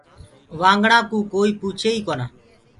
وآگنآ ڪوُ ڪوئيٚ پوڇي ئيٚ ڪونآ۔